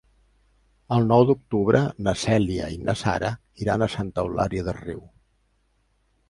El nou d'octubre na Cèlia i na Sara iran a Santa Eulària des Riu.